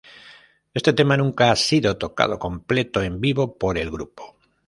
Este tema nunca ha sido tocado completo en vivo por el grupo.